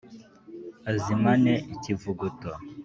Azimane ikivuguto.